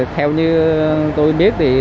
theo như tôi biết